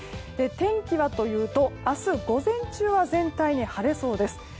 天気はというと、明日午前中は全体に晴れそうです。